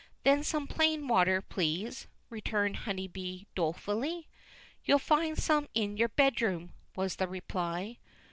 "Then some plain water please," returned Honeybee dolefully. "You'll find some in your bedroom," was the reply.